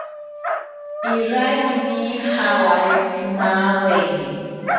Iraiyini jawarentzi maaweni